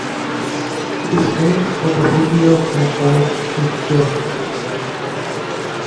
It is named for the city of Hamburg in Germany.